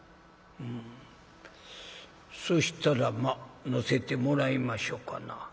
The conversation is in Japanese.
「うんそしたらまあ乗せてもらいましょうかな」。